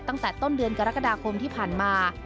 ตั้งแต่ต้นเดือนกรกฎาคมที่ผ่านมา